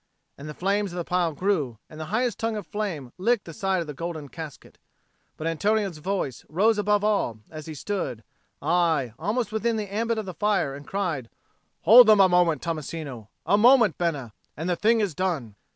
And the flames of the pile grew, and the highest tongue of flame licked the side of the golden casket. But Antonio's voice rose above all, as he stood, aye, almost within the ambit of the fire, and cried, "Hold them a moment, Tommasino a moment, Bena and the thing is done!"